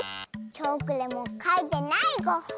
チョークでもかいてないゴッホ。